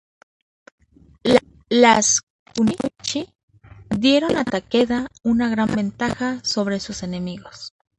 Las Kunoichi dieron a Takeda una gran ventaja sobre sus enemigos.